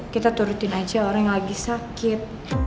kita turutin aja orang yang lagi sakit